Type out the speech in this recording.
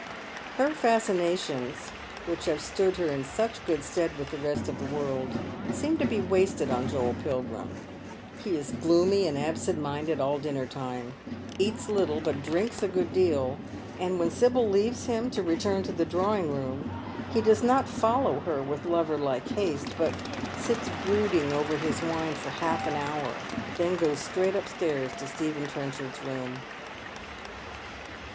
Her fascinations, which have stood her in such good stead with the rest of the world, seem to be wasted on Joel Pilgrim. rie is gloomy and absent minded all dinner time, eats little, but drinks a good deal, and when Sibyl leaves him to return to the drawing room he does not follow her with lover like haste, but sits brooding over his wine for half an hour, and then goes fetraight upstairs to Stephen Trenchard's room.